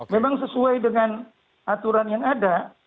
memang sesuai dengan aturan yang ada